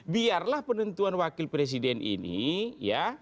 biarlah penentuan wakil presidennya